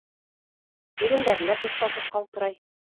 Ирендәре лә туҡтауһыҙ ҡалтырай.